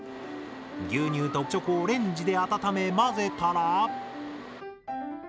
牛乳とチョコをレンジで温め混ぜたら。